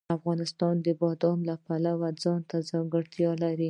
افغانستان د بادام د پلوه ځانته ځانګړتیا لري.